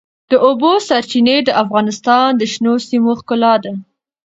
د اوبو سرچینې د افغانستان د شنو سیمو ښکلا ده.